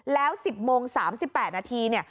แล้ว๑๐โมง๓๘นาที